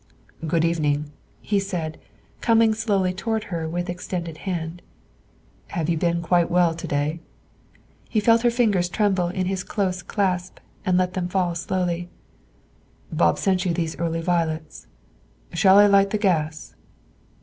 "Good evening," he said, coming slowly toward her with extended hand; "have you been quite well to day?" He felt her fingers tremble in his close clasp, and let them fall slowly. "Bob sent you these early violets. Shall I light the gas?"